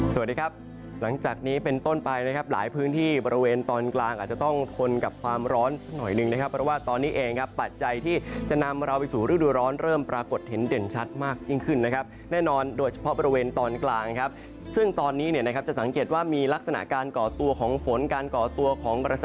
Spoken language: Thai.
สวัสดีครับหลังจากนี้เป็นต้นไปนะครับหลายพื้นที่บริเวณตอนกลางอาจจะต้องทนกับความร้อนสักหน่อยหนึ่งนะครับเพราะว่าตอนนี้เองครับปัจจัยที่จะนำเราไปสู่ฤดูร้อนเริ่มปรากฏเห็นเด่นชัดมากยิ่งขึ้นนะครับแน่นอนโดยเฉพาะบริเวณตอนกลางครับซึ่งตอนนี้เนี่ยนะครับจะสังเกตว่ามีลักษณะการก่อตัวของฝนการก่อตัวของกระแส